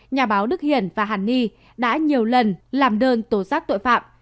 nhà báo đức hiền và hằng ni đã nhiều lần làm đơn tổ sát tội phạm